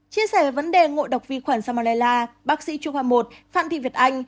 chia sẻ về vấn đề ngộ độc vi khuẩn samolella bác sĩ trung học một phạm thị việt anh